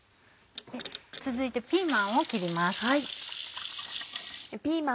続いてピーマンを切ります。